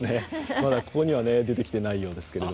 まだここには出てきていないようですけど。